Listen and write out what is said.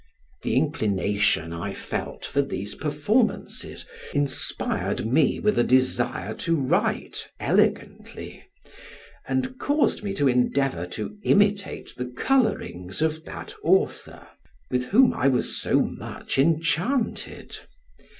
The inclination I felt for these performances inspired me with a desire to write elegantly, and caused me to endeavor to imitate the colorings of that author, with whom I was so much enchanted.